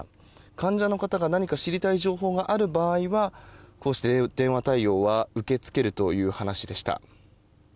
患者の方が何か知りたい情報がある場合はこうして電話対応は受け付けるという話でした。